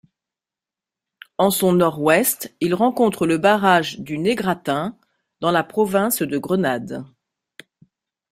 En son nord-ouest, il rencontre le barrage du Négratin, dans la province de Grenade.